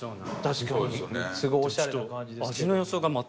確かにすごいおしゃれな感じですけど。